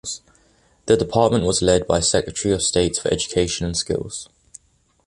The department was led by Secretary of State for Education and Skills.